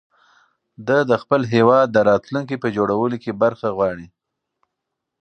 ده د خپل هېواد د راتلونکي په جوړولو کې برخه غواړي.